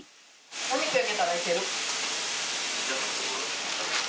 お肉焼けたらいける。